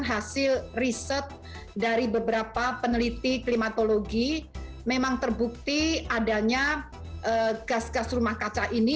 hasil riset dari beberapa peneliti klimatologi memang terbukti adanya gas gas rumah kaca ini